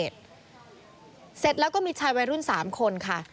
เสร็จแล้วก็มีชายวัยรุ่น๓คนค่ะ